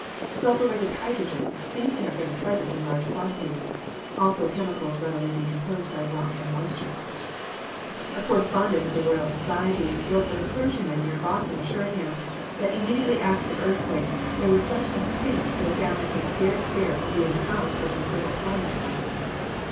Sulphuretted hydrogen seems to have been present in large quantities: also chemicals readily decomposed by warmth and moisture. A correspondent of the Royal Society wrote that a clergyman near Boston assured him "that immediately after the earthquake there was such a stink that the family could scarce bear to be in the house for a considerable time that night."